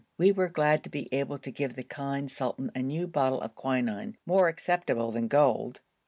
We were glad to be able to give the kind sultan a new bottle of quinine more acceptable than gold.